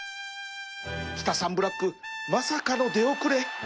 キタサンブラックまさかの出遅れ